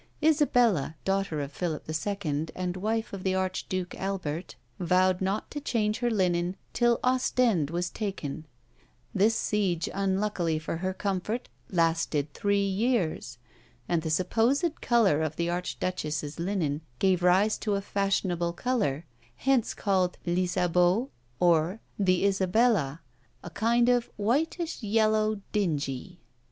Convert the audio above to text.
Isabella, daughter of Philip II. and wife of the Archduke Albert, vowed not to change her linen till Ostend was taken; this siege, unluckily for her comfort, lasted three years; and the supposed colour of the archduchess's linen gave rise to a fashionable colour, hence called l'Isabeau, or the Isabella; a kind of whitish yellow dingy.